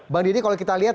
bang didi kalau kita lihat